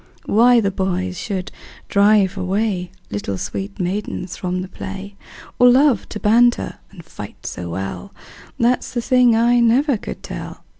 Why the boys should drive away Little sweet maidens from the play, Or love to banter and fight so well, That 's the thing I never could tell.